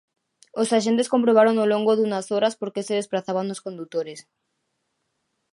Os axentes comprobaron ao longo dunhas horas por que se desprazaban os condutores.